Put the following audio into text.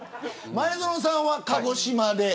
前園さんは鹿児島で。